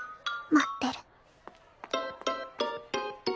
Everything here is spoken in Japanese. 待ってる。